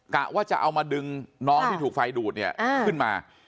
กะว่าจะเอามาดึงน้องที่ถูกไฟดูดเนี่ยขึ้นมา